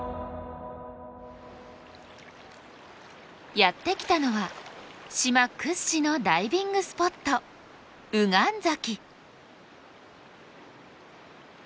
やって来たのは島屈指のダイビングスポット御神崎。